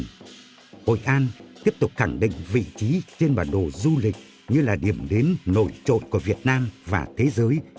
hội an tiếp tục khẳng định vị trí trên bản đồ du lịch như là điểm đến nổi trột của việt nam và thế giới